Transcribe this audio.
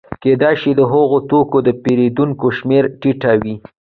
کېدای شي د هغه توکو د پېرودونکو شمېره ټیټه وي